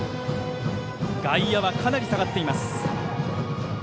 外野は、かなり下がっています。